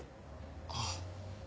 あっ。